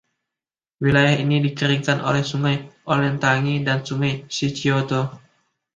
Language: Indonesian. Wilayah ini dikeringkan oleh Sungai Olentangy dan Sungai Scioto.